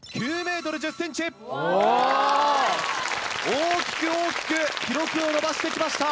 大きく大きく記録を伸ばして来ました。